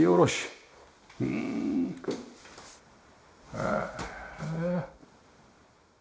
へえ。